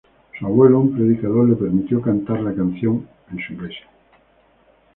Su abuelo, un predicador, le permitió cantar la canción en su iglesia.